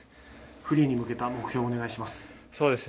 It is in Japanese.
フリーに向けた目標をお願いします。